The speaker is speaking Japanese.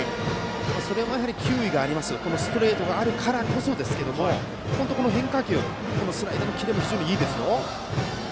それは球威があるストレートがあるからこそですがここのところの変化球スライダーのキレも非常にいいですよ。